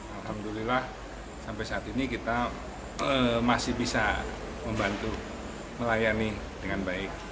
alhamdulillah sampai saat ini kita masih bisa membantu melayani dengan baik